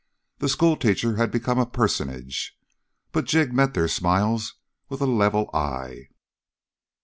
The schoolteacher had become a personage. But Jig met their smiles with a level eye.